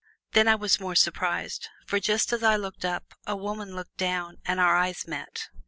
Then I was more surprised; for just as I looked up, a woman looked down and our eyes met.